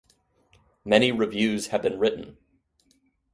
Many reviews have been written.